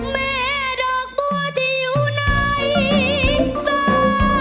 แม่ดอกบัวที่อยู่ในซา